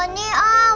ini siapa om